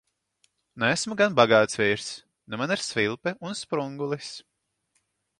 Nu esmu gan bagāts vīrs. Nu man ir svilpe un sprungulis!